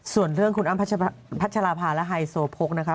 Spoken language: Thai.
ส่วนเรื่องคุณอ้ำพัชราภาและไฮโซโพกนะคะ